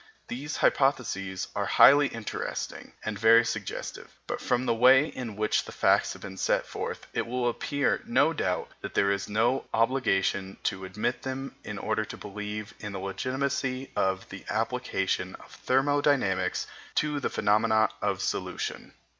These hypotheses are highly interesting, and very suggestive; but from the way in which the facts have been set forth, it will appear, no doubt, that there is no obligation to admit them in order to believe in the legitimacy of the application of thermodynamics to the phenomena of solution.